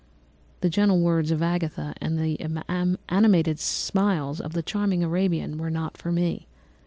The gentle words of Agatha and the animated smiles of the charming Arabian were not for me.